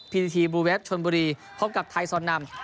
พิธีปุเวศชวนบุรีพบกับไทยสอนนำ